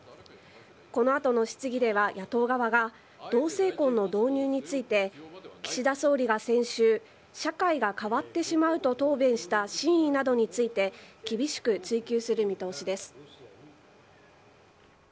この後の質疑では、野党側が同性婚の導入について岸田総理が先週社会が変わってしまうと答弁した真意などについて厳しく追及する見通しです。